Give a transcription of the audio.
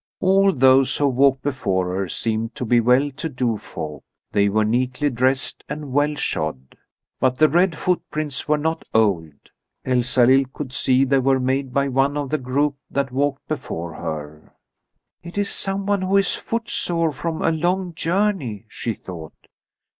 All those who walked before her seemed to be well to do folk. They were neatly dressed and well shod. But the red footprints were not old. Elsalill could see they were made by one of the group that walked before her. "It is someone who is footsore from a long journey," she thought.